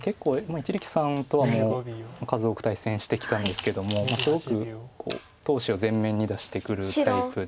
一力さんとはもう数多く対戦してきたんですけどもすごく闘志を前面に出してくるタイプで。